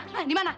hah di mana